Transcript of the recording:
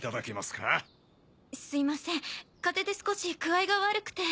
すいません風邪で少し具合が悪くて。